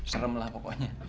serem lah pokoknya